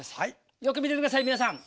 よく見てて下さい皆さん。